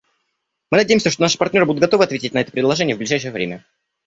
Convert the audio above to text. Мы надеемся, что наши партнеры будут готовы ответить на это предложение в ближайшее время.